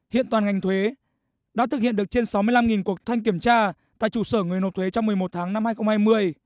hiện toàn ngành thuế đã thực hiện được trên sáu mươi năm cuộc thanh kiểm tra tại chủ sở người nộp thuế trong một mươi một tháng năm hai nghìn hai mươi